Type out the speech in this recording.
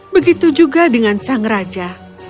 begitu juga dengan sang raja